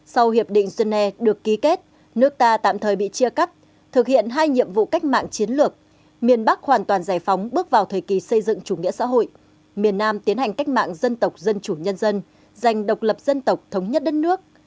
sau hiệp định genè được ký kết nước ta tạm thời bị chia cắt thực hiện hai nhiệm vụ cách mạng chiến lược miền bắc hoàn toàn giải phóng bước vào thời kỳ xây dựng chủ nghĩa xã hội miền nam tiến hành cách mạng dân tộc dân chủ nhân dân giành độc lập dân tộc thống nhất đất nước